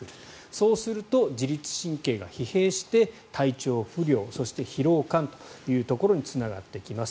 そうすると自律神経が疲弊して体調不良そして、疲労感というところにつながってきます。